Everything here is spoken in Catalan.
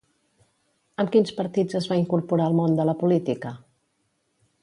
Amb quins partits es va incorporar al món de la política?